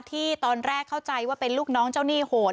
ที่ตอนแรกเข้าใจว่าเป็นลูกน้องเจ้าหนี้โหด